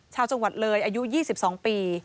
ชาวจังหวัดเลยอายุ๒๒ปี